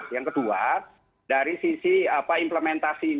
yang kedua dari sisi implementasi